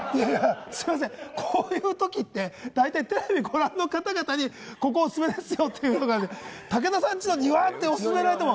こういう時って大体、テレビをご覧の方々に、ここおすすめですよ！って言うんだけど、武田さんちの庭ってすすめられても。